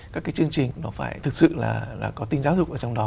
các cái chương trình nó phải thực sự là có tinh giáo dục ở trong đó